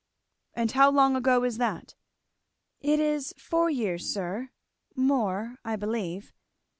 "And how long ago is that?" "It is four years, sir; more, I believe.